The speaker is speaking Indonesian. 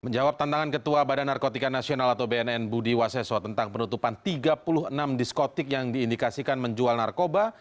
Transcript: menjawab tantangan ketua badan narkotika nasional atau bnn budi waseso tentang penutupan tiga puluh enam diskotik yang diindikasikan menjual narkoba